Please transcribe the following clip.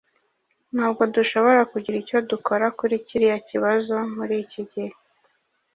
Ntabwo dushobora kugira icyo dukora kuri kiriya kibazo muri iki gihe